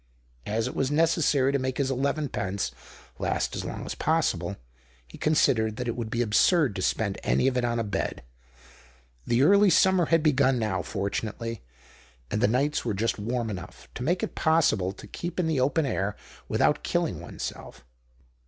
As it was necessary to make his elevenpence last as long as possible, he considered that it would be absurd to spend any of it on a bed ; the early summer had begun now, fortunately, and the nights were just warm enough to make it possible to keep in the open air without killing one's self.